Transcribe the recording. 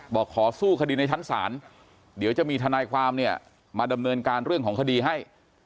บอกขอสู้คดีในชั้นศาลเดี๋ยวจะมีทนายความเนี่ยมาดำเนินการเรื่องของคดีให้